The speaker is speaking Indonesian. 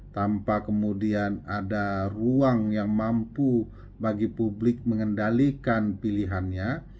tanpa kemudian ada ruang yang mampu bagi publik mengendalikan pilihannya